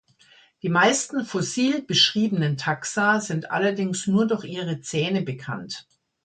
Die meisten fossil beschriebenen Taxa sind allerdings nur durch ihre Zähne bekannt.